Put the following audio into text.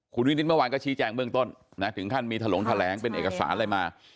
คุณวินิตเมื่อวานก็ชี้แจงเบื้องต้นนะถึงขั้นมีถลงแถลงเป็นเอกสารอะไรมา